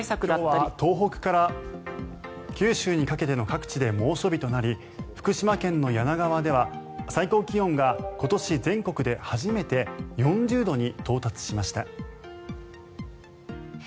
今日は東北から九州にかけての各地で猛暑日となり福島県の梁川では最高気温が今年、全国で初めて４０度に到達しました。